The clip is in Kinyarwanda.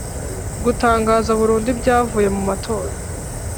Gutangaza burundu ibyavuye mu matora